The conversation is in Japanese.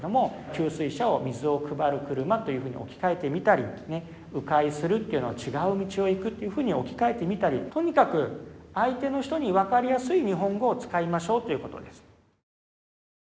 「給水車」を「水をくばる車」というふうに置き換えてみたりね「う回する」というのを「ちがう道をいく」っていうふうに置き換えてみたりとにかく相手の人に分かりやすい日本語を使いましょうということです。